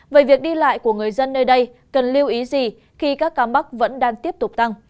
về việc đi lại của người dân nơi đây cần lưu ý gì khi các ca mắc vẫn đang tiếp tục tăng